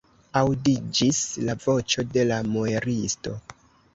Aŭdiĝis la voĉo de la muelisto.